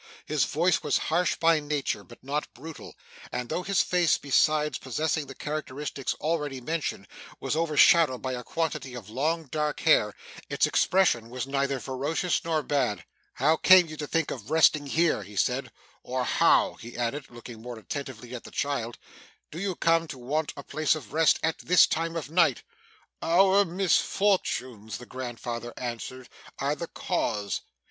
His voice was harsh by nature, but not brutal; and though his face, besides possessing the characteristics already mentioned, was overshadowed by a quantity of long dark hair, its expression was neither ferocious nor bad. 'How came you to think of resting there?' he said. 'Or how,' he added, looking more attentively at the child, 'do you come to want a place of rest at this time of night?' 'Our misfortunes,' the grandfather answered, 'are the cause.